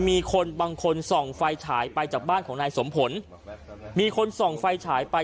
มีคนบางคนส่องไฟฉายไปจากบ้านของนายสมผลมีคนส่องไฟฉายไป